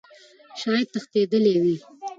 شايد تښتيدلى وي .